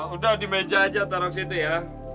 udah di meja aja taruh situ ya